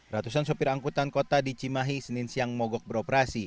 ratusan sopir angkutan kota di cimahi senin siang mogok beroperasi